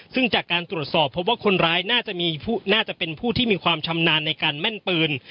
ซึ่งจากการตรวจสอบพบว่าคนร้ายน่าจะมีน่าจะเป็นผู้ที่มีความชำนาญในการแม่นปืน